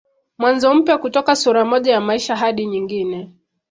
Mwanzo mpya kutoka sura moja ya maisha hadi nyingine